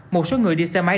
một số người đi xe máy